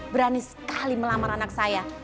berani sekali melamar anak saya